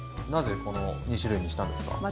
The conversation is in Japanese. なぜこの２種類にしたんですか？